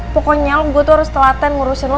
pokoknya gue tuh harus telaten ngurusin lo